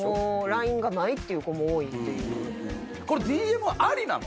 ＬＩＮＥがないっていう子も多いっていうこれＤＭはありなの？